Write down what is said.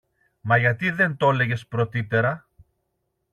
Μα γιατί δεν το 'λεγες πρωτύτερα;